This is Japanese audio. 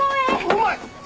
うまい。